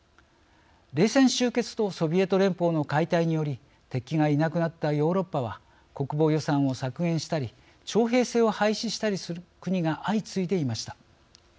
冷戦終結とソビエト連邦の解体により敵がいなくなったヨーロッパは国防予算を削減したり徴兵制を廃止したりする国が相次いでいました。